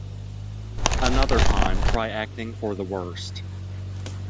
Another time try acting for the worst.